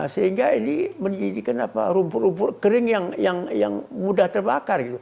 sehingga ini menjadi kenapa rumput rumput kering yang mudah terbakar